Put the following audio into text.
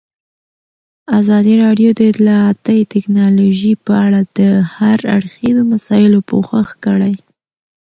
ازادي راډیو د اطلاعاتی تکنالوژي په اړه د هر اړخیزو مسایلو پوښښ کړی.